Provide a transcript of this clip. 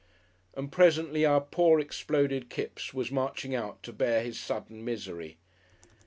And presently our poor exploded Kipps was marching out to bear his sudden misery.